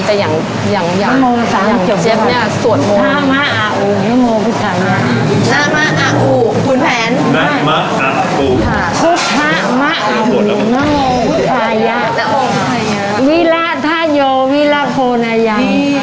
แต่อย่างเจ๊บเนี่ยสวดมอง